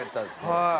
はい。